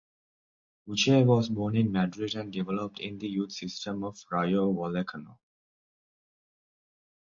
Uche was born in Madrid and developed in the youth system of Rayo Vallecano.